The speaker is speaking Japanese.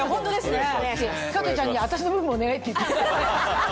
加トちゃんに私の分もお願い！って言って。